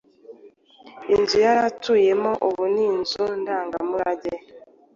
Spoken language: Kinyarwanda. inzu yaratuyemo ibu ni inzu ndanga murange